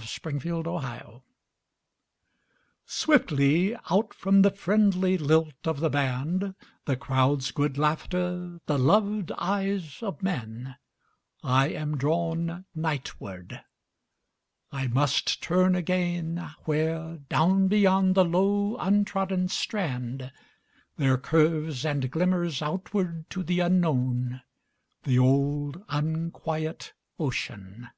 Seaside SWIFTLY out from the friendly lilt of the band, The crowd's good laughter, the loved eyes of men,I am drawn nightward; I must turn againWhere, down beyond the low untrodden strand, There curves and glimmers outward to the unknownThe old unquiet ocean.